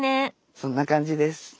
そんな感じです。